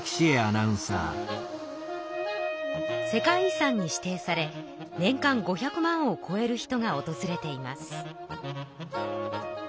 世界遺産に指定され年間５００万をこえる人がおとずれています。